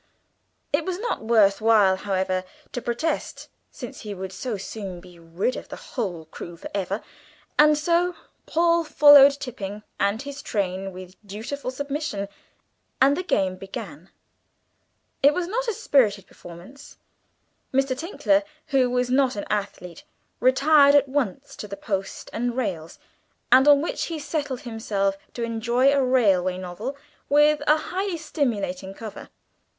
It was not worth while, however, to protest, since he would so soon be rid of the whole crew for ever, and so Paul followed Tipping and his train with dutiful submission, and the game began. It was not a spirited performance. Mr. Tinkler, who was not an athlete, retired at once to the post and rails, on which he settled himself to enjoy a railway novel with a highly stimulating cover.